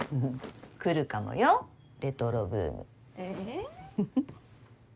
来るかもよレトロブーム。え？